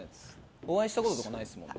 お会いしたこともないですよね。